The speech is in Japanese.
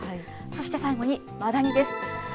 そして、最後にマダニです。